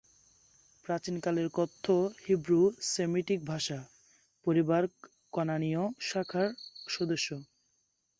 প্রাচীন কালের কথ্য, Hebrew, Semitic ভাষা পরিবার কনানীয় শাখার সদস্য।